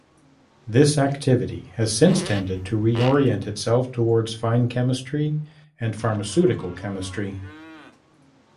This activity has since tended to reorient itself towards fine chemistry and pharmaceutical chemistry.